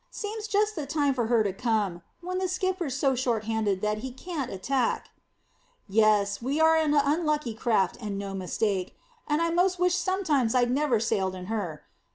"Seems just the time for her to come when the skipper's so short handed that he can't attack." "Yes, we are an unlucky craft and no mistake, and I 'most wish sometimes I'd never sailed in her.